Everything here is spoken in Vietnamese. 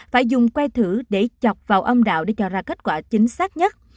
phải dùng que thử để chọc vào ông đạo để cho ra kết quả chính xác nhất